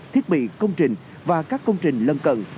thiết bị công trình và các công trình lân cận